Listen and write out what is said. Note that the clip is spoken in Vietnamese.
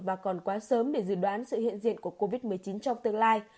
và còn quá sớm để dự đoán sự hiện diện của covid một mươi chín trong tương lai